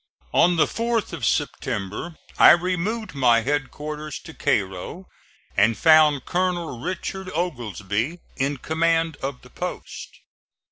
On the 4th of September I removed my headquarters to Cairo and found Colonel Richard Oglesby in command of the post.